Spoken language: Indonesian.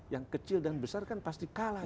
yang kecil dan besar kan pasti kalah